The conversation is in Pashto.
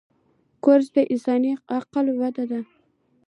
کورس د انساني عقل وده ده.